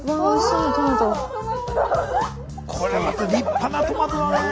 これまた立派なトマトだね！